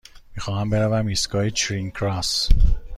می خواهم بروم ایستگاه چرینگ کراس.